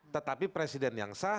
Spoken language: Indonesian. tetapi presiden yang sah